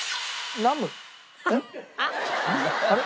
あれ？